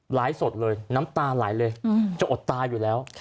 ไลฟ์สดเลยน้ำตาไหลเลยจะอดตาอยู่แล้ว